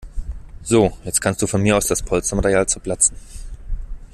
So, jetzt kannst du von mir aus das Polstermaterial zerplatzen.